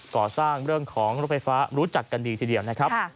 ก่อสร้างเรื่องของรถไฟฟ้ารู้จักกันดีทีเดียวนะครับ